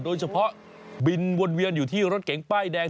โดยเฉพาะบินวนเวียนอยู่ที่รถเก๋งป้ายแดง